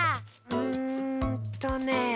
うんとね。